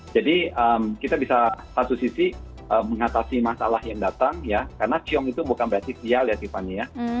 jadi kita bisa satu sisi mengatasi masalah yang datang ya karena siom itu bukan berarti sial ya tiffany ya